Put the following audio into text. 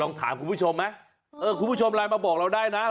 ลองถามคุณผู้ชมคุณผู้ชมไลน์มาบอกเราได้นะคะ